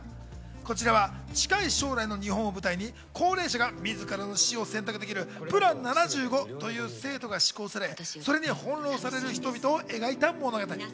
こちらは近い将来の日本を舞台に高齢者がみずからの死を選択できるプラン７５という制度が施行され、それに翻弄される人々を描いた物語。